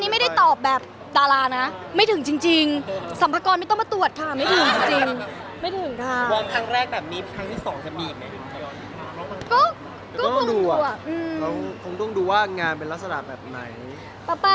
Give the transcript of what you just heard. มีความสุขไหมคะมีความสุขไหมคะมีความสุขไหมคะ